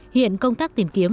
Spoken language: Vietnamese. hiện công tác tìm kiếm